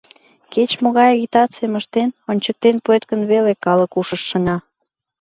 Кеч-могай агитацийым ыштен, ончыктен пуэт гын веле, калык ушыш шыҥа.